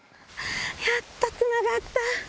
やっとつながった！